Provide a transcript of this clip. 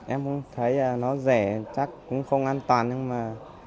em cũng thấy nó rẻ chắc cũng không an toàn nhưng mà